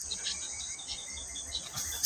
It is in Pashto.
زه اوس موسيقي اورم!